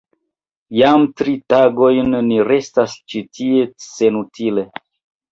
Jam tri tagojn ni restas ĉi tie senutile!